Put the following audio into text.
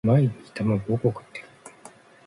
毎日卵五個食ってる？